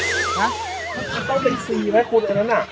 ต้องได้สีไหมคุณอันนั้นน่ะ